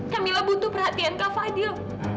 kamilah butuh perhatian kak fadil